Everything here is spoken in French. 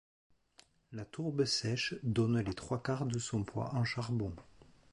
La tourbe sèche donne les trois quarts de son poids en charbon.